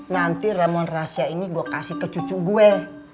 nanti ramon rahasia ini gue kasih ke cucu gue